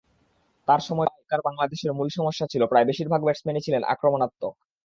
তাঁর সময়কার বাংলাদেশের মূল সমস্যা ছিল, প্রায় বেশির ভাগ ব্যাটসম্যানই ছিলেন আক্রমণাত্মক।